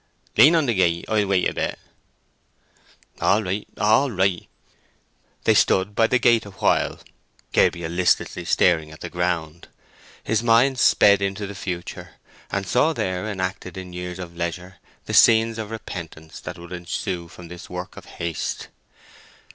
"Lean on the gate: I'll wait a bit." "All right, all right." They stood by the gate awhile, Gabriel listlessly staring at the ground. His mind sped into the future, and saw there enacted in years of leisure the scenes of repentance that would ensue from this work of haste.